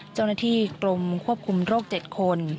เจ้าหน้าที่กรมควบคุมโรค๗คน